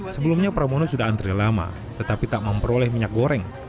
sebelumnya pramono sudah antre lama tetapi tak memperoleh minyak goreng